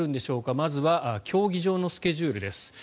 まずは競技場のスケジュールです。